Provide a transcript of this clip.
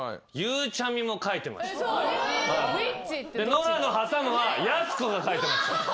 ノラの「はさむ」はやす子が書いてました。